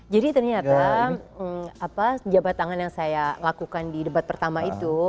jadi ternyata jabat tangan yang saya lakukan di debat pertama itu